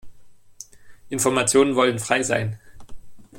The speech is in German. Informationen wollen frei sein.